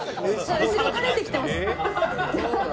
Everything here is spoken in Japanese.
後ろ垂れてきてます。